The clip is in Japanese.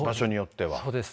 そうです。